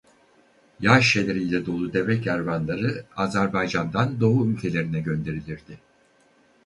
Yağ şişeleriyle dolu deve kervanları Azerbaycan'dan doğu ülkelerine gönderilirdi.